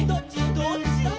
「どっち」